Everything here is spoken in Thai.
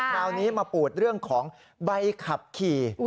คราวนี้มาปูดเรื่องของใบขับขี่